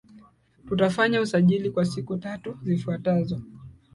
Tutafanya usajili kwa siku tatu zifuatazo